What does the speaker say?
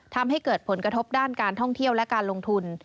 ทำให้เกิดผลกระทบด้านการท่องเที่ยวและการลงทุน